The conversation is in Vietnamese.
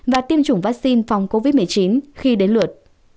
và tiêm chủng vaccine phòng covid một mươi chín khi đến lượt